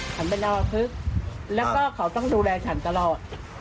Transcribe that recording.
ฉันเป็นเราทึกแล้วก็เขาต้องดูแลฉันตลอด